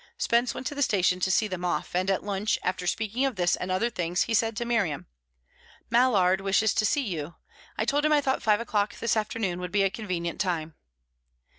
Spence went to the station to see them off, and at lunch, after speaking of this and other things, he said to Miriam: "Mallard wishes to see you. I told him I thought five o'clock this afternoon would be a convenient time."